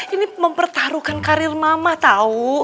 ini mempertaruhkan karir mama tahu